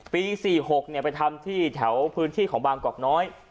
ปี๔๖ไปทำที่แถวพื้นที่ของบางกอกน้อย